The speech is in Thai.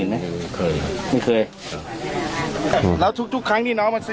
สาเหตุแพร่ของเขาคนสุดท้ายก็ไม่ต้องทำอะไร